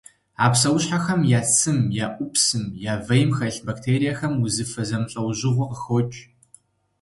А псэущхьэхэм я цым, я ӏупсым, я вейм хэлъ бактериехэм узыфэ зэмылӏэужьыгъуэ къыхокӏ.